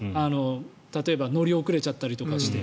例えば乗り遅れちゃったりとかして。